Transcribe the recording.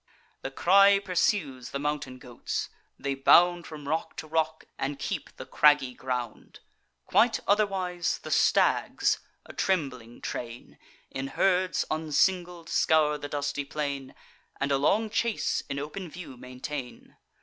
The cry pursues the mountain goats: they bound From rock to rock, and keep the craggy ground; Quite otherwise the stags, a trembling train, In herds unsingled, scour the dusty plain, And a long chase in open view maintain.